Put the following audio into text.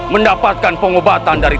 mendapatkan pengobatan dari